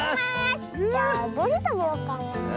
じゃあどれたべようかな？